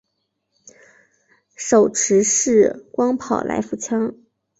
手持式光炮来福枪。